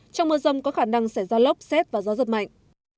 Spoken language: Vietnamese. trong mưa rong có khả năng sẽ do lốc xét và gió giật mạnh